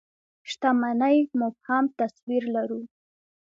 شتمنۍ مبهم تصوير لرو.